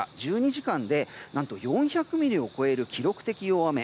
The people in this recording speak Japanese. １２時間で４００ミリを超える記録的大雨。